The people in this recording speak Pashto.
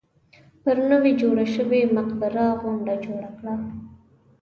پر نوې جوړه شوې مقبره غونډه جوړه کړه.